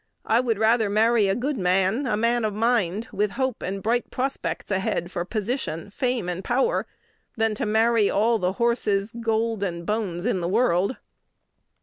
I would rather marry a good man, a man of mind, with hope and bright prospects ahead for position, fame, and power, than to marry all the horses, gold, and bones in the world."